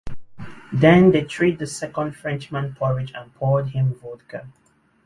Then they treat the second Frenchman porridge and poured him vodka.